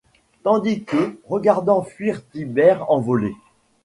Tandis que, regardant fuir Tibère envolé